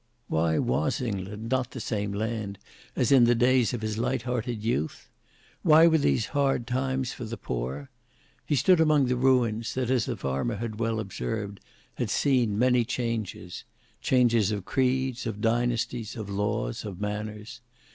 Why was England not the same land as in the days of his light hearted youth? Why were these hard times for the poor? He stood among the ruins that, as the farmer had well observed, had seen many changes: changes of creeds, of dynasties, of laws, of manners.